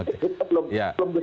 itu belum kita